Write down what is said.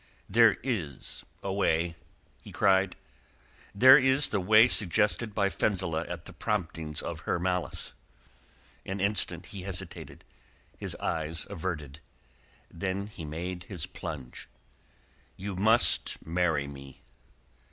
"There is a way," he cried. "There is the way suggested by Fenzileh at the promptings of her malice." An instant he hesitated, his eyes averted. Then he made his plunge. "You must marry me."